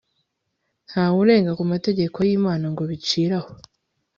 nta we urenga ku mategeko y'imana ngo bicire aho